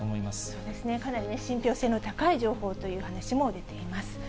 そうですね、かなり信ぴょう性の高い情報という話も出ています。